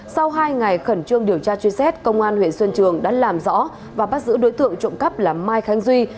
sau hai ngày khẩn trương điều tra truy xét công an huyện xuân trường đã làm rõ và bắt giữ đối tượng trộm cắp là mai khánh duy